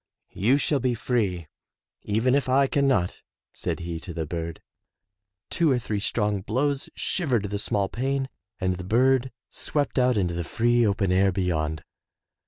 "You shall be free, even if I can not,*' said he to the bird. Two or three strong blows shivered the small pane and the bird swept out into the free open air beyond.